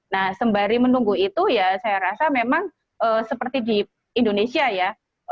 nah sembari menunggu itu ya saya rasa memang seperti di indonesia ya